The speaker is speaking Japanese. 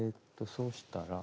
そうしたら。